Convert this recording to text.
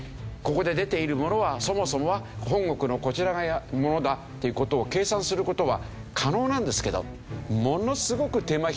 ここで出ているものはそもそもは本国のこちらのものだっていう事を計算する事は可能なんですけど。